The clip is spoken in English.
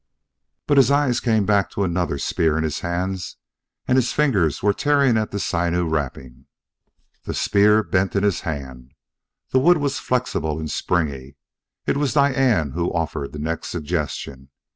But his eyes came back to another spear in his hands, and his fingers were tearing at the sinew wrapping. The spear bent in his hands; the wood was flexible and springy. It was Diane who offered the next suggestion.